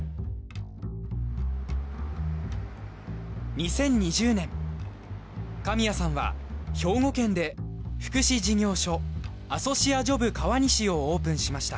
２０２０年神谷さんは兵庫県で福祉事業所アソシア・ジョブ川西をオープンしました。